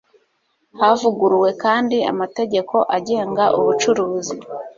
havuguruwe kandi amategeko agenga ubucuruzi